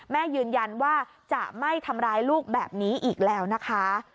แม่ยืนยันว่าจะไม่ทำร้ายลูกแบบนี้อีกแล้วนะคะ